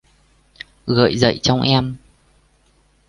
Gợi dậy trong em